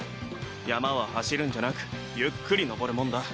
山は走るんじゃなくゆっくり登るもんだ